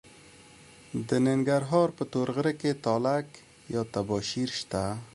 د ننګرهار په تور غره کې تالک یا تباشیر شته.